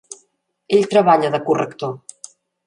Ell treballa de corrector.